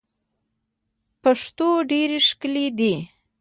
پښتو ډیر ښکلی دی.